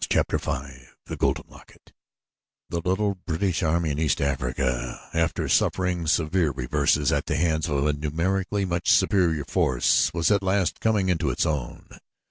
Chapter V The Golden Locket The little British army in East Africa, after suffering severe reverses at the hands of a numerically much superior force, was at last coming into its own.